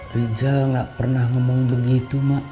rijal gak pernah ngomong begitu mak